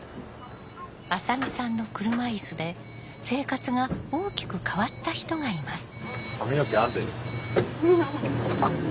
浅見さんの車いすで生活が大きく変わった人がいます。